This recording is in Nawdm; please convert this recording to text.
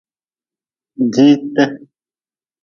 Diite.